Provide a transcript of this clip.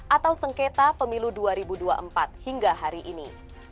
atau sengketa pemilu dua ribu dua puluh empat hingga hari ini